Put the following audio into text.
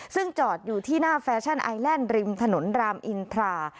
ซึ่งจอดอยู่ที่หน้าแฟชั่นไอแลนด์ริมถนนรามอินทรา